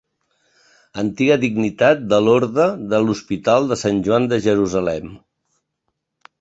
Antiga dignitat de l'orde de l'Hospital de Sant Joan de Jerusalem.